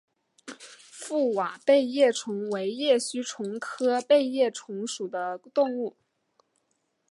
覆瓦背叶虫为叶须虫科背叶虫属的动物。